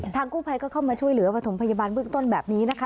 ทางกู้ภัยเข้ามาช่วยหรือวัตถมพยาบาลยภูมิต้นแบบนี้นะคะ